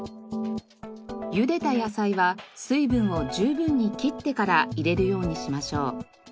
ゆでた野菜は水分を十分に切ってから入れるようにしましょう。